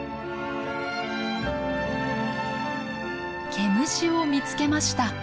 毛虫を見つけました。